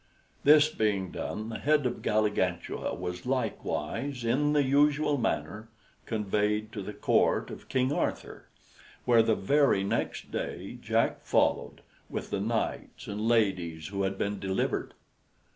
This being done, the head of Galligantua was likewise, in the usual manner, conveyed to the Court of King Arthur, where, the very next day, Jack followed, with the knights and ladies who had been delivered.